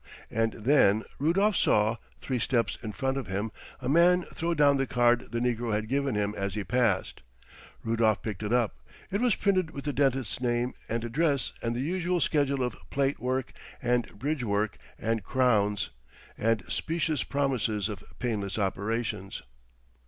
And then Rudolf saw, three steps in front of him, a man throw down the card the negro had given him as he passed. Rudolf picked it up. It was printed with the dentist's name and address and the usual schedule of "plate work" and "bridge work" and "crowns," and specious promises of "painless" operations.